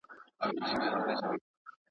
تاسي کله په هټې کي کار وکړی؟